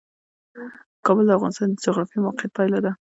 کابل د افغانستان د جغرافیایي موقیعت پایله ده.